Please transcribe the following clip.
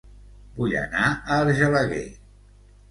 Vull anar a Argelaguer